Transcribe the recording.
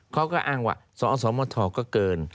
เขาก็อ้างว่าสสมทก็เกิน